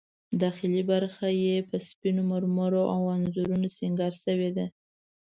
داخلي برخه یې په سپینو مرمرو او انځورونو سینګار شوې ده.